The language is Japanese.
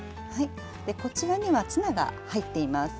こちらにはツナが入っています。